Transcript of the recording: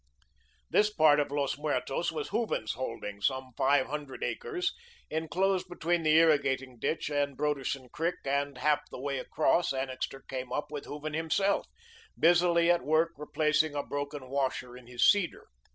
This part of Los Muertos was Hooven's holding, some five hundred acres enclosed between the irrigating ditch and Broderson Creek, and half the way across, Annixter came up with Hooven himself, busily at work replacing a broken washer in his seeder.